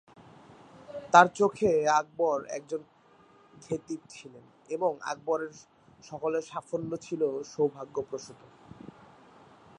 তাঁর চোখে আকবর একজন ‘খেদিব’ ছিলেন এবং আকবরের সকল সাফল্য ছিল ‘সৌভাগ্যপ্রসূত’।